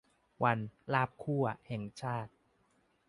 วัน ลาบคั่ว แห่งชาติ